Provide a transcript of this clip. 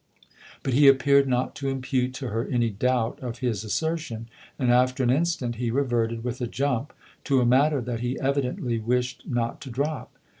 But he appeared not to impute to her any doubt of his assertion, and after an instant he reverted, with a jump, to a matter that he evidently wished not to drop.